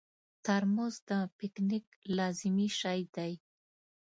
ترموز د پکنیک لازمي شی دی.